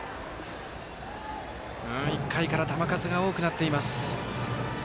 １回から球数が多くなっています。